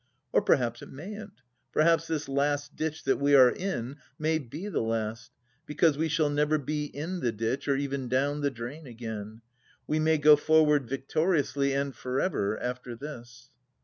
... Or perhaps it mayn't !... Perhaps this Last Ditch that we are in, may be The Last — because we shall never be in the ditch, or even down the drain again ! We may go forward victoriously, and for ever, after this